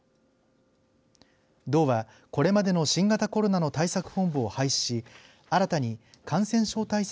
道はこれまでの新型コロナの対策本部を廃止し新たに感染症対策